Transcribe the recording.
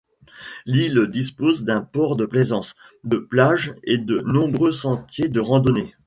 L'île dispose d'un port de plaisance, de plages et de nombreux sentiers de randonnée.